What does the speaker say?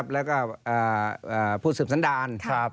แล้วก็ผู้สืบสันดาร